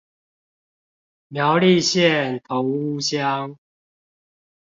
苗栗縣頭屋鄉